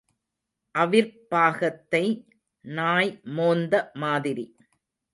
அவிர்ப் பாகத்தை நாய் மோந்த மாதிரி.